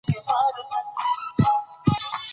ترټولو مهمه خو دا ده چې د وردگ ولايت